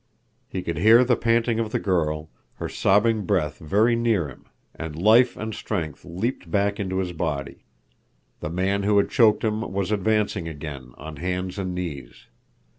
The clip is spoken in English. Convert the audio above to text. He could hear the panting of the girl, her sobbing breath very near him, and life and strength leaped back into his body. The man who had choked him was advancing again, on hands and knees.